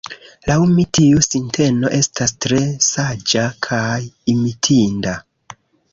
Laŭ mi, tiu sinteno estas tre saĝa kaj imitinda.